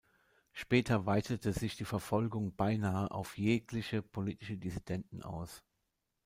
Später weitete sich die Verfolgung beinahe auf jegliche politische Dissidenten aus.